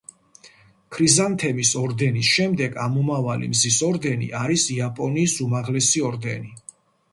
ქრიზანთემის ორდენის შემდეგ ამომავალი მზის ორდენი არის იაპონიის უმაღლესი ორდენი.